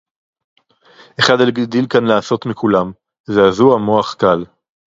אַחֵד הִגְדִּיל כָּאן לַעֲשׂוֹת מִכֻּלָּם: זַעֲזוּעַ מֹחַ קַל